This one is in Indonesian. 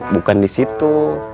bukan di situ